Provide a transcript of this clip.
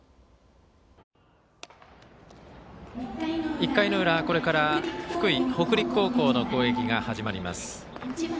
１回裏、これから福井・北陸高校の攻撃が始まります。